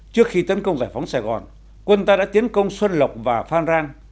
trước khi tấn công giải phóng sài gòn quân ta đã tiến công xuân lộc và phan rang